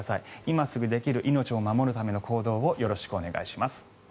今すぐできる自分の身を守るための行動をお願いします。